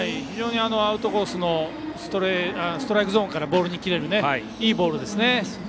アウトコースのストライクゾーンからボールに切れるいいボールですね。